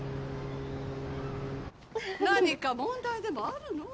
・何か問題でもあるの？